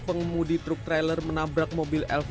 pengemudi truk trailer menabrak mobil lv